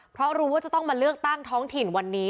เพราะรู้ว่าจะต้องมาเลือกตั้งท้องถิ่นวันนี้